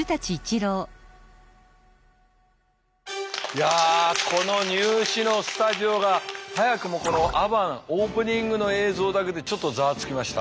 いやこの「ニュー試」のスタジオが早くもこのアバンオープニングの映像だけでちょっとざわつきました。